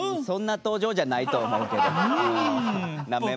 そんな登場じゃないと思うけど。